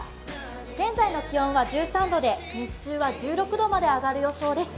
現在の気温は１３度で、日中は１６度まで上がる予想です。